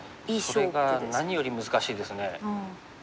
それが何より難しいです。